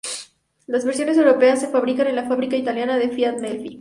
Las versiones europeas se fabrican en la fábrica italiana de Fiat Melfi.